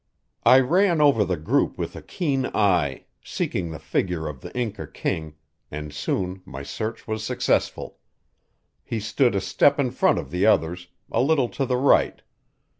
I ran over the group with a keen eye, seeking the figure of the Inca king, and soon my search was successful. He stood a step in front of the others, a little to the right.